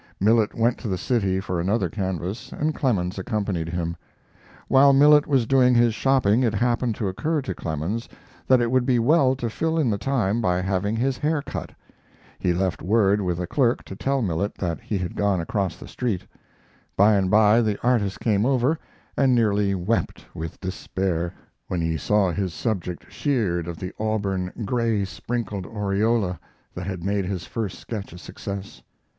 Millet went to the city for another canvas and Clemens accompanied him. While Millet was doing his shopping it happened to occur to Clemens that it would be well to fill in the time by having his hair cut. He left word with a clerk to tell Millet that he had gone across the street. By and by the artist came over, and nearly wept with despair when he saw his subject sheared of the auburn, gray sprinkled aureola that had made his first sketch a success.